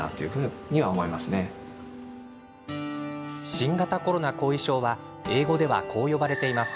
新型コロナ後遺症は英語では、こう呼ばれています。